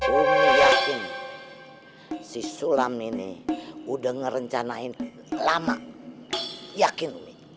umi yakin si sulam ini udah ngerencanain lama yakin